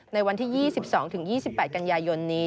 ในวันที่๒๒๒๘กันยายนนี้